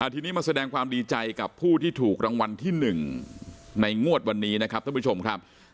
ทีนี้มาแสดงความดีใจกับผู้ที่ถูกรางวัลที่๑ในงวดวันนี้นะครับท่านผู้ชมครับ